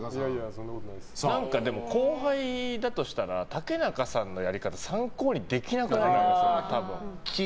何か、後輩だとしたら竹中さんのやり方参考にできなくないですか。